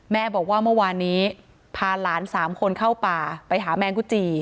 แม่บอกว่าเมื่อวานนี้พาหลาน๓คนเข้าป่าไปหาแมงกุจี